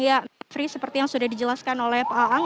ya seperti yang sudah dijelaskan oleh pak ang